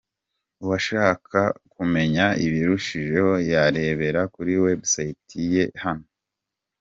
Uwashaka kumenya ibirushijeho yarebera kuri website ye hano :.